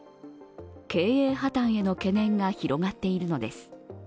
経営破綻への懸念が広がっているのです。